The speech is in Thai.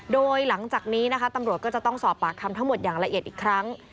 โดยหลังจากนี้นะคะตำรวจก็จะต้องสอบปากคำทั้งหมดอย่างละเอียดอีกครั้ง